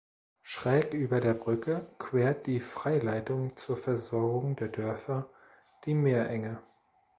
Schräg über der Brücke quert die Freileitung zur Versorgung der Dörfer die Meerenge.